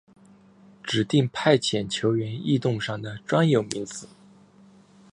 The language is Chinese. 指定派遣球员异动上的专有名词。